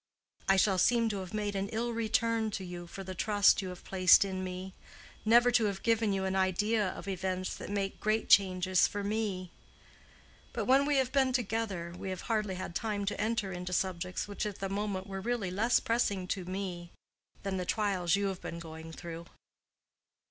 I shall seem to have made an ill return to you for the trust you have placed in me—never to have given you an idea of events that make great changes for me. But when we have been together we have hardly had time to enter into subjects which at the moment were really less pressing to me than the trials you have been going through."